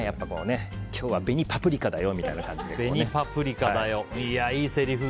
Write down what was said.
今日は紅パプリカだよみたいな感じで。